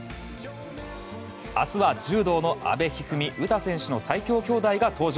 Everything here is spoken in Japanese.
明日は柔道の阿部一二三、詩選手の最強兄妹が登場。